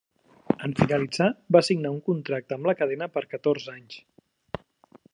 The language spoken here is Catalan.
En finalitzar, va signar un contracte amb la cadena per catorze anys.